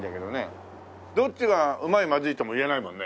どっちがうまいまずいとも言えないもんね。